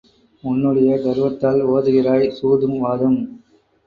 உன்னுடைய கர்வத்தால் ஓதுகிறாய் சூதும் வாதும்.